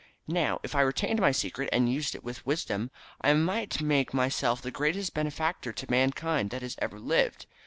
Now, if I retained my secret, and used it with wisdom, I might make myself the greatest benefactor to mankind that has ever lived.